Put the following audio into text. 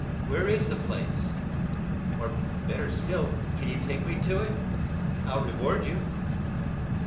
"Where is the place? Or, better still, can you take me to it? I'll reward you."